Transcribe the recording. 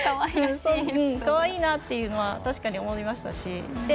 かわいいなっていうのは確かに思いましたし。